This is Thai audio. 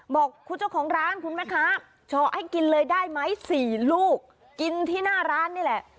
บอกคุณเจ้าของร้านคุณแม่ค้าเฉาะให้กินเลยได้ไหม๔ลูกกินที่หน้าร้านนี่แหละ